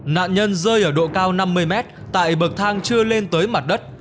nạn nhân rơi ở độ cao năm mươi mét tại bậc thang chưa lên tới mặt đất